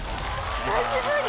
久しぶり